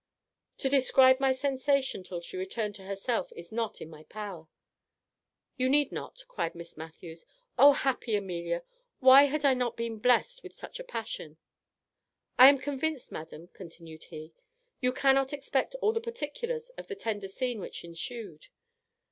"To describe my sensation till she returned to herself is not in my power." "You need not," cried Miss Matthews. "Oh, happy Amelia! why had I not been blest with such a passion?" "I am convinced, madam," continued he, "you cannot expect all the particulars of the tender scene which ensued.